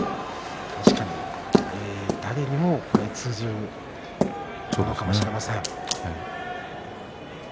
確かに誰にも通じることかもしれません。